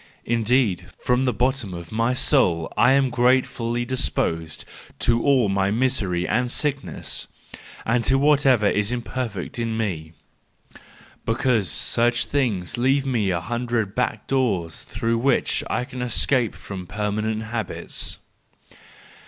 Indeed, from the bottom of my soul I am gratefully disposed to all my misery and sick¬ ness, and to whatever is imperfect in me, because such things leave me a hundred back doors through which I can escape from permanent habits.